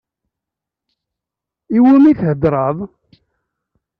Iwumi theddṛeḍ?